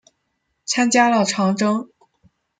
参加了长征。